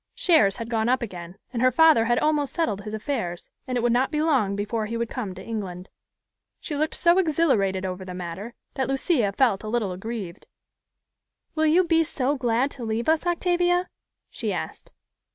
Shares had gone up again; and her father had almost settled his affairs, and it would not be long before he would come to England. She looked so exhilarated over the matter, that Lucia felt a little aggrieved. "Will you be so glad to leave us, Octavia?" she asked.